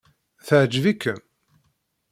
Teɛǧeb-ikem?